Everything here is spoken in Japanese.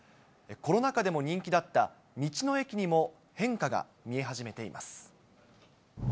コロナ禍でも人気だった道の駅にも、変化が見え始めています。